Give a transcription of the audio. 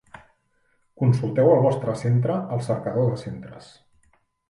Consulteu el vostre centre al cercador de centres.